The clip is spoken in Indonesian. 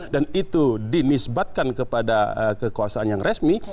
dan itu dinisbatkan kepada kekuasaan yang resmi